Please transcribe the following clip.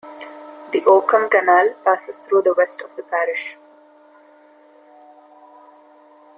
The Oakham Canal passes through the west of the parish.